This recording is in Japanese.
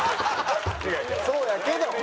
そうやけど。